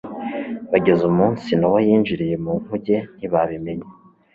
bageza umunsi Nowa yinjiriye mu nkuge, ntibabimenya